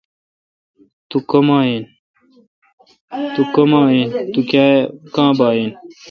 تو کما این۔۔تو کاں با این؟